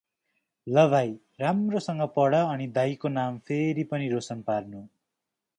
ल भाइ, राम्रो सगँ पढ अनि दाइको नाम फेरि पनि रोशन पार्नु ।